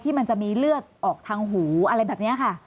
มันจะมีเลือดออกทางหูอะไรแบบนี้ค่ะ